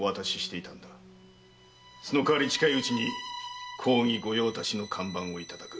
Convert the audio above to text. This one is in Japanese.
そのかわり近いうちに公儀御用達の看板をいただく。